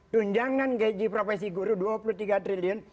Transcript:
tunjangan gaji profesi guru dua puluh tiga triliun